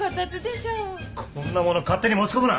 こんなもの勝手に持ち込むな！